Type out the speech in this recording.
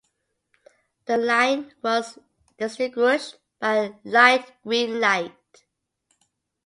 The line was distinguished by a light green light.